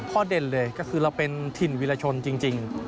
เด่นเลยก็คือเราเป็นถิ่นวิรชนจริง